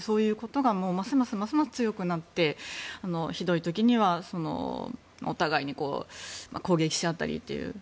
そういうことがますます強くなってひどい時にはお互いに攻撃し合ったりという。